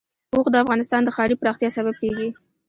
اوښ د افغانستان د ښاري پراختیا سبب کېږي.